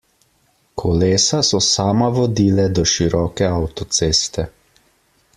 Kolesa so sama vodile do široke avtoceste.